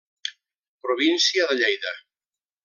Província de Lleida.